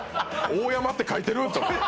「大山」って書いてるって！